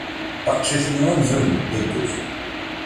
Aqcic-nni amzun d Mqidec.